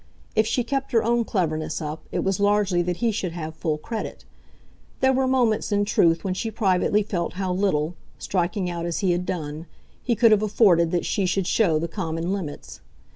If she kept her own cleverness up it was largely that he should have full credit. There were moments in truth when she privately felt how little striking out as he had done he could have afforded that she should show the common limits.